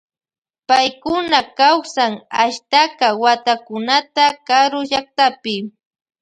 Paykuna kawsan ashtaka watakunata karu llaktapi.